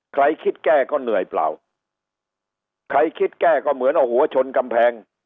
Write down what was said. ใครคิดแก้ก็เหนื่อยเปล่าใครคิดแก้ก็เหมือนเอาหัวชนกำแพง